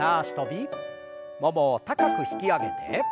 ももを高く引き上げて。